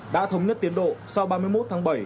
đã thống nhất tiến độ sau ba mươi một tháng bảy